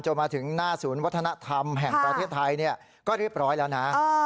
มาถึงหน้าศูนย์วัฒนธรรมแห่งประเทศไทยก็เรียบร้อยแล้วนะ